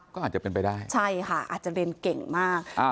ก็อาจจะเป็นไปได้ใช่ค่ะอาจจะเรียนเก่งมาก